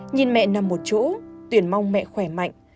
nhìn mẹ nằm một chỗ tuyển mong mẹ khỏe mạnh